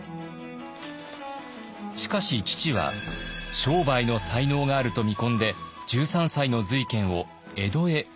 しかし父は商売の才能があると見込んで１３歳の瑞賢を江戸へ送り出します。